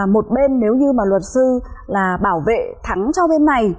một bên nếu như mà luật sư là bảo vệ thắng cho bên này